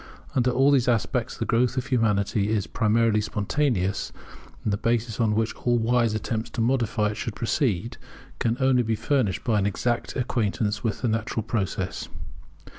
Under all these aspects, the growth of Humanity is primarily spontaneous; and the basis upon which all wise attempts to modify it should proceed, can only be furnished by an exact acquaintance with the natural process.